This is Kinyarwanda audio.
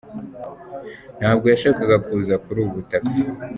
Ntabwo yashakaga kuza kuri ubu butaka.